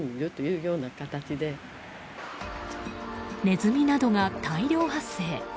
ネズミなどが大量発生。